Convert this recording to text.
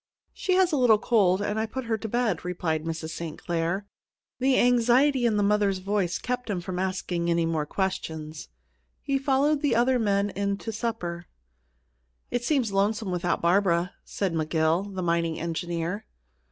"She has a little cold and I put her to bed," replied Mrs. St. Clair. The anxiety in the mother's voice kept him from asking any more questions. He followed the other men in to supper. "It seems lonesome without Barbara," said McGill, the mining engineer.